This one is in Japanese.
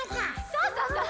そうそうそう！